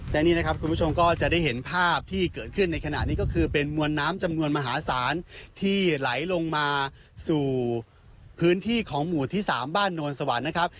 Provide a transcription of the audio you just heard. และนี่นะครับคุณผู้ชมก็จะได้เห็นภาพที่เกิดขึ้นในขณะนี้ก็คือเป็นมวลน้ำจำนวนมหาศาลที่ไหลลงมาสู่พื้นที่ของหมู่ที่๓บ้านโนนสวรรค์นะครับ